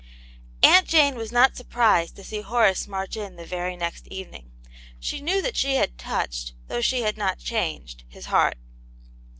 AUNT JANE was not surprised to see Horace march in the very next evening. She knew that she had touched, though she had not changed, his heart.